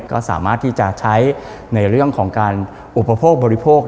ก็สามารถที่จะใช้ในเรื่องของการอุปโภคบริโภค